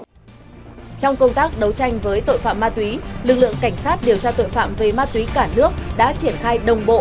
trong công tác đấu tranh với tội phạm ma túy lực lượng cảnh sát điều tra tội phạm về ma túy cả nước đã triển khai đồng bộ